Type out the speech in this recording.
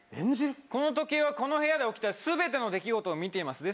この時計はこのへんで起きた全ての出来事を見ています。